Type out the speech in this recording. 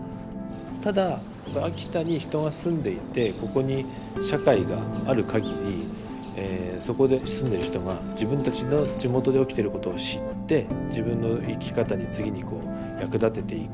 ただ秋田に人が住んでいてここに社会があるかぎりそこで住んでる人が自分たちの地元で起きてることを知って自分の生き方に次にこう役立てていく。